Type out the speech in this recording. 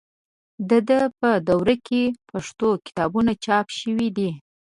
د ده په دوره کې پښتو کتابونه چاپ شوي دي.